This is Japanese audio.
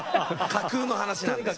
架空の話なんで。